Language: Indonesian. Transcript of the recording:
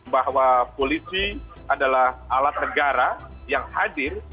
bahwa polisi adalah alat negara yang hadir